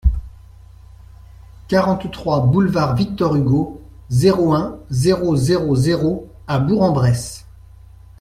quarante-trois boulevard Victor Hugo, zéro un, zéro zéro zéro à Bourg-en-Bresse